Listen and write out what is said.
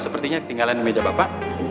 sepertinya ketinggalan meja bapak